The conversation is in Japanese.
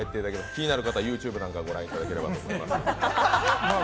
気になる方はＹｏｕＴｕｂｅなんかを御覧いただければと思います。